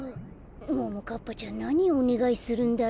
ももかっぱちゃんなにおねがいするんだろう。